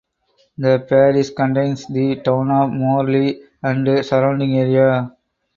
The parish contains the town of Morley and the surrounding area.